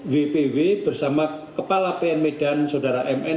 wpw bersama kepala pn medan saudara mn